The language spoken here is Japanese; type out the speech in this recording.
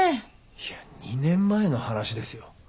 いや２年前の話ですよ？